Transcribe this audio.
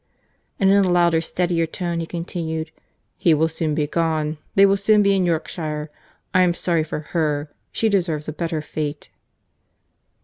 —And in a louder, steadier tone, he concluded with, "He will soon be gone. They will soon be in Yorkshire. I am sorry for her. She deserves a better fate."